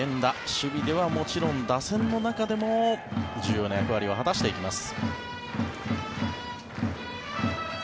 守備ではもちろん打線の中でも重要な役割を果たしていきます。